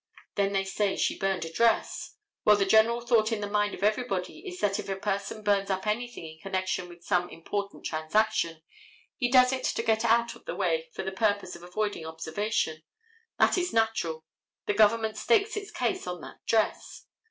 Then they say she burned a dress. Well, the general thought in the mind of everybody is that if a person burns up anything in connection with some important transaction, he does it to get it out of the way for the purpose of avoiding observation. That is natural. The government stakes its case on that dress.